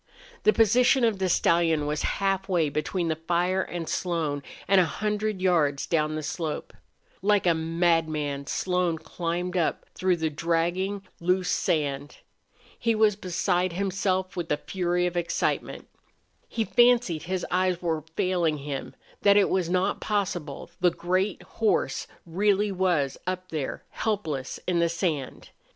The position of the stallion was halfway between the fire and Slone, and a hundred yards up the slope. Like a madman Slone climbed up through the dragging, loose sand. He was beside himself with a fury of excitement. He fancied his eyes were failing him, that it was not possible the great horse really was up there, helpless in the sand.